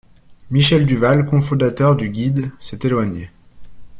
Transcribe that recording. Michel Duval, cofondateur du Guide, s'est éloigné.